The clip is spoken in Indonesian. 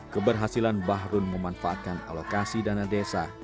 keberhasilan bahrun memanfaatkan alokasi dana desa